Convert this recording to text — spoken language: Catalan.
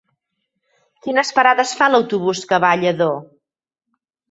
Quines parades fa l'autobús que va a Lladó?